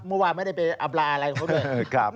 เมื่อวานไม่ได้ไปอับราอะไรของพวกเบอร์